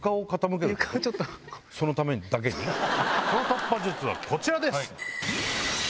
突破術はこちらです！